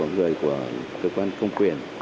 người của cơ quan công quyền